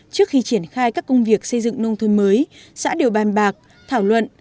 trước khi triển khai các công việc xây dựng nông thôn mới xã đều bàn bạc thảo luận